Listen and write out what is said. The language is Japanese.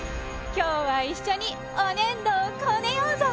今日は一緒におねんどをこねようぞ！